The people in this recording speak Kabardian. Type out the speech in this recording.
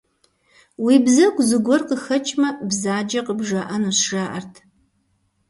Уи бзэгу зыгуэр къыхэкӏмэ, бзаджэ къыбжаӏэнущ, жаӏэрт.